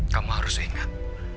kamu harus ingat